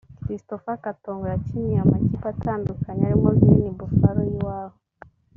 Christopher Katongo yakiniye amakipe atandukanye arimo Green Buffaloes y’iwabo